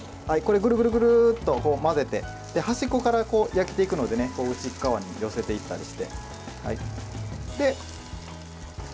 ぐるぐるぐるっと混ぜて端っこから焼けていくので内側に寄せていったりして。